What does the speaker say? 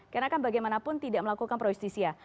karena kan bagaimanapun tidak melakukan pro justisia